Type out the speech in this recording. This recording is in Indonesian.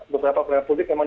beberapa pelayanan publik memang